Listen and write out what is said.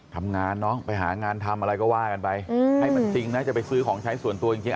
น้องไปหางานทำอะไรก็ว่ากันไปให้มันจริงนะจะไปซื้อของใช้ส่วนตัวจริง